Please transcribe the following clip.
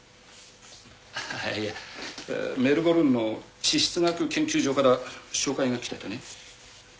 ああいやメルボルンの地質学研究所から照会が来ててね